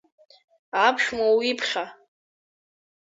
Аԥшәма уиԥхьа!